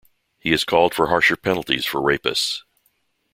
He has called for harsher penalties for rapists.